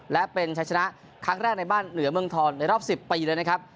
และเป็นชัยชนะครั้งแรกในบ้านเหนือเมืองทองในรอบ๑๐ปีเลยนะครับ